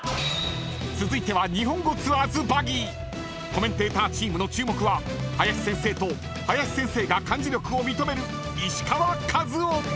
［続いては日本語ツアーズバギーコメンテーターチームの注目は林先生と林先生が漢字力を認める石川和男］